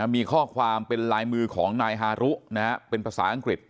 มีข้อความเป็นลายมือของนายฮารุเป็นภาษาอังกฤษ